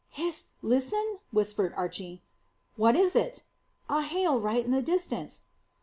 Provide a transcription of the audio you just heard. "Hist! Listen!" whispered Archy. "What is it?" "A hail right in the distance."